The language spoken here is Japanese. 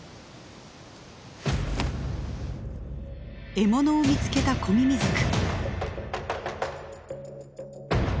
獲物を見つけたコミミズク。